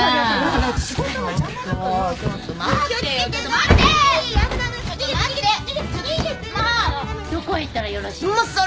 どこへ行ったらよろしいでしょう？